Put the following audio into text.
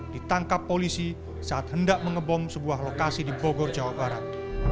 ditangkap polisi saat hendak mengebom sebuah lokasi di bogor jawa barat